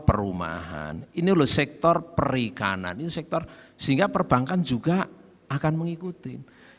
perumahan ini loh sektor perikanan itu sektor sehingga perbankan juga akan mengikuti